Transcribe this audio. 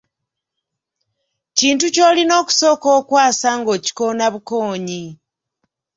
Kintu ky’olina okusooka okwasa ng’okikoona bukoonyi.